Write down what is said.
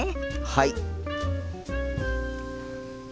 はい！